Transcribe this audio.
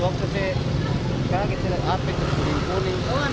waktu itu kaget api buning buning